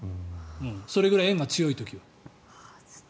それぐらい円が強い時は。